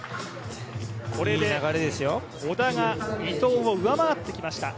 これで織田が伊藤を上回ってきました。